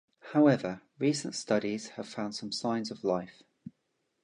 However, recent studies have found some signs of life.